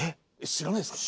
知らないですか？